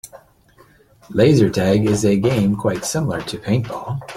Laser tag is a game quite similar to paintball.